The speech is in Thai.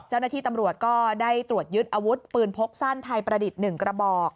เจ้าหน้าที่ตำรวจก็ได้ตรวจยึดอาวุธปืนพกสั้นไทยประดิษฐ์๑กระบอก